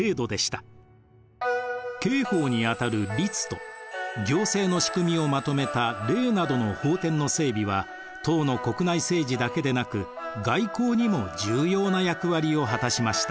刑法に当たる「律」と行政の仕組みをまとめた「令」などの法典の整備は唐の国内政治だけでなく外交にも重要な役割を果たしました。